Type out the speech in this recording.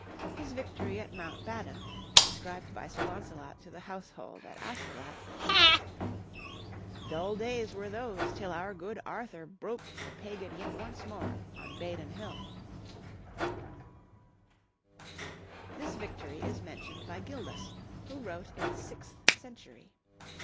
His victory at Mount Badon, described by Sir Launcelot to the household at Astolat, "Dull days were those, till our good Arthur broke The pagan yet once more on Badon Hill," this victory is mentioned by Gildas, who wrote in the sixth century.